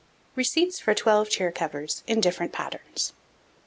Receipts for Twelve Chair Covers, in different Patterns.